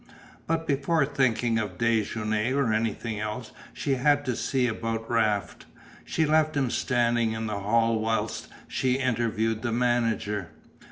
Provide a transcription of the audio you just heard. But before thinking of déjeuner or anything else she had to see about Raft. She left him standing in the hall whilst she interviewed the manager.